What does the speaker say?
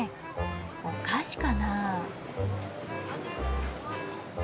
お菓子かなあ。